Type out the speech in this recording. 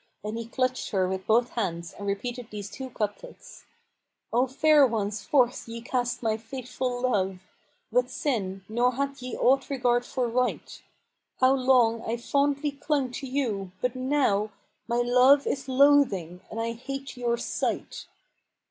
and he clutched her with both hands and repeated these two couplets, "O fair ones forth ye cast my faithful love * With sin, nor had ye aught regard for right: How long I fondly clung to you, but now * My love is loathing and I hate your sight."